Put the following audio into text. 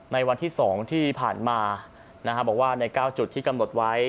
ในวันที่๒ที่ผ่านมาบอกว่าใน๙จุดที่กำหนดไว้